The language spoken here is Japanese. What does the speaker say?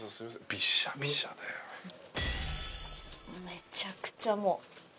めちゃくちゃもう。